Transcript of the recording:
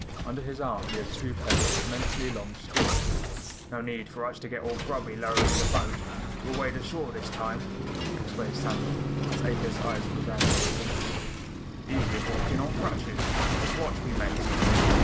Under his arm he had two pairs of tremendously long stilts. "No need for us to get all grubby lowering the boat. We'll wade ashore this time," explained Samuel as Ato's eyes grew round and questioning. "Easy as walking on crutches; just watch me, Mate."